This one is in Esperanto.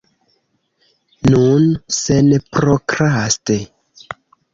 Nun, senprokraste.